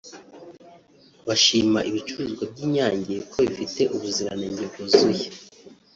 bashima ibicuruzwa by’Inyange ko bifite ubuziranenge bwuzuye